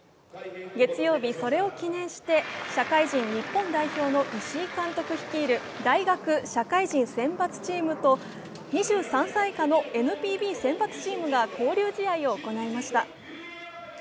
月曜日、それを記念して社会人日本代表の石井監督率いる大学・社会人選抜チームと２３歳以下のＮＰＢ選抜チームが交流試合を行いました。